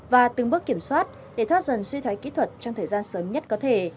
và từng bước kiểm soát để thoát dần suy thoái kỹ thuật trong thời gian sớm nhất có thể